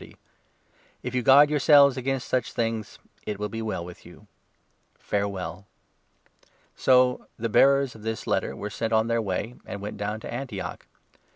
y. If you guard yourselves against such things, it will be well with you. Farewell.' So the bearers of this letter were sent on their way, and 30 went down to Antioch.